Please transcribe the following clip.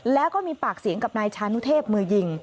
แล้วก็มีปากเสียงกับนายชานุเทพมือยิง